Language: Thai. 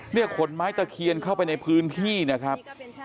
ขนไม้ตะเคียนเข้าไปในพื้นที่นะครับ